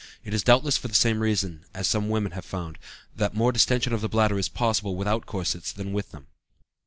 It is doubtless for the same reason that, as some women have found, more distension of the bladder is possible without corsets than with them.